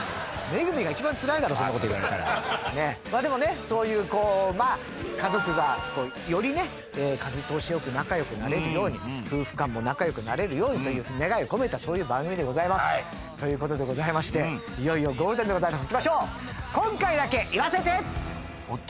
恵が一番ツライだろそんなこと言われたらまあでもねそういうこうまあ家族がよりね風通しよく仲良くなれるように夫婦間も仲良くなれるようにという願いを込めたそういう番組でございますということでございましていよいよゴールデンでございますいきましょう